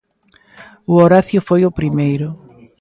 O Horacio foi o primeiro.